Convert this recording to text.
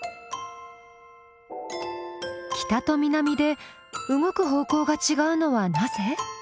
北と南で動く方向がちがうのはなぜ？